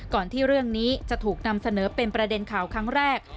ที่เรื่องนี้จะถูกนำเสนอเป็นประเด็นข่าวครั้งแรก